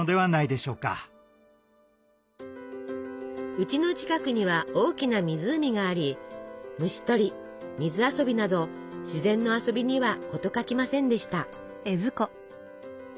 うちの近くには大きな湖があり虫取り水遊びなど自然の遊びには事欠きませんでした。